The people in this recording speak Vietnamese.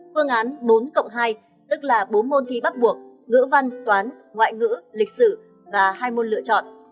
phương án bốn cộng hai tức là bốn môn thi bắt buộc ngữ văn toán ngoại ngữ lịch sử và hai môn lựa chọn